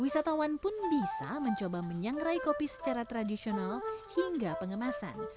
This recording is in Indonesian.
wisatawan pun bisa mencoba menyangrai kopi secara tradisional hingga pengemasan